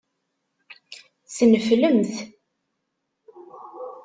Tneflemt.